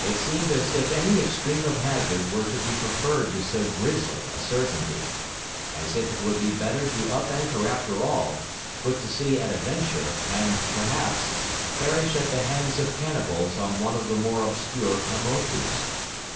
It seemed as if any extreme of hazard were to be preferred to so grisly a certainty; as if it would be better to up anchor after all, put to sea at a venture, and, perhaps, perish at the hands of cannibals on one of the more obscure Paumotus.